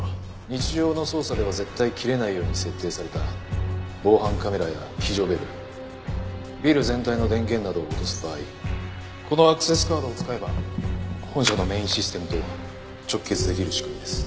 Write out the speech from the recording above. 日常の操作では絶対切れないように設定された防犯カメラや非常ベルビル全体の電源などを落とす場合このアクセスカードを使えば本社のメインシステムと直結出来る仕組みです。